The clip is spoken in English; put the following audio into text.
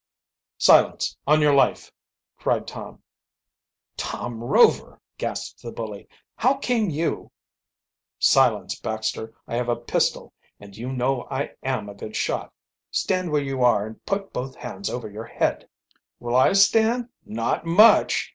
"Silence, on your life!" cried Tom. "Tom Rover!" gasped the bully. "How came you " "Silence, Baxter! I have a pistol and you know I am a good shot. Stand where you an and put both hands over your head." "Will I stand? Not much!"